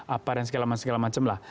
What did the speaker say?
apa dan segala macam segala macam lah